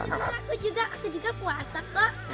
aku juga puasa kok